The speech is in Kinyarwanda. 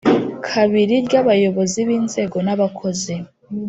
kabiri ry Abayobozi b Inzego n abakozi